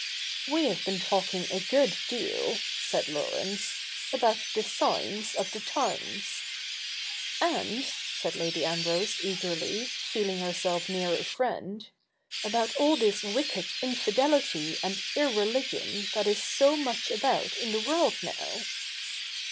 ' We have been talking a good deal,' said Laurence, ' about the signs of the times.' ' And,' said Lady Ambrose eagerly, feeling herself near a friend, ' about all this wicked infidelity and irrehgion that is so much about in the world now.'